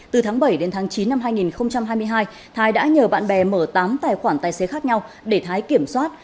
từ tháng bảy đến tháng chín năm hai nghìn hai mươi hai thái đã nhờ bạn bè mở tám tài khoản tài xế khác nhau để thái kiểm soát